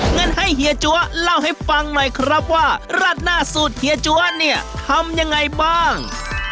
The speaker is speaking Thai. งั้นให้เฮียจั๊วเล่าให้ฟังหน่อยครับว่าราดหน้าสูตรเฮียจั๊วเนี่ยทำยังไงบ้าง